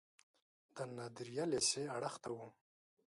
د نادریه لیسې اړخ ته و.